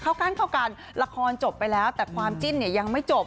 กั้นเข้ากันละครจบไปแล้วแต่ความจิ้นเนี่ยยังไม่จบ